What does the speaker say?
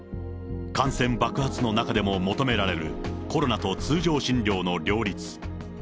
感染爆発の中でも求められるコロナと通常診療の両立。